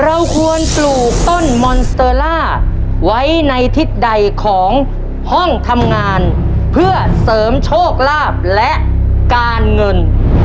เราควรปลูกต้นมอนสเตอล่าไว้ในทิศใดของห้องทำงานเพื่อเสริมโชคลาภและการเงิน